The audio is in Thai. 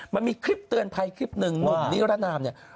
มันมีคลิปเตือนภัยคลิปหนึ่งหนุ่มนิรนามเนี่ย